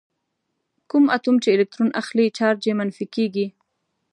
کوم اتوم چې الکترون اخلي چارج یې منفي کیږي.